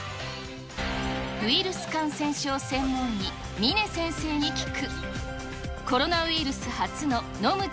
ウイルス感染症専門医、峰先生に聞く。